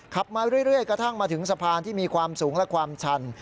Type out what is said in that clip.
มาเรื่อยกระทั่งมาถึงสะพานที่มีความสูงและความชัน